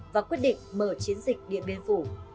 và quyết định mở chiến dịch điện biên phủ